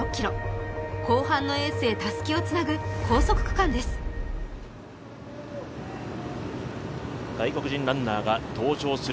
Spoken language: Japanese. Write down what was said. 後半のエースへたすきをつなぐ高速区間です。